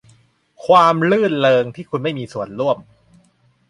ความรื่นเริงที่คุณไม่มีส่วนร่วม